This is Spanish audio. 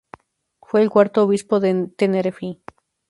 Fue el cuarto obispo de Tenerife.